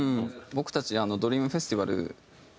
僕たちドリームフェスティバル。